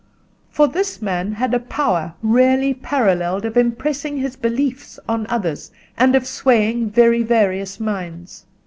For this man had a power rarely paralleled, of impressing his beliefs on others, and of swaying very various minds.